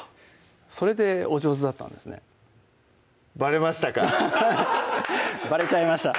それでお上手だったんですねばれましたかばれちゃいました